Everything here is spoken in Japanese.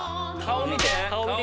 顔見て！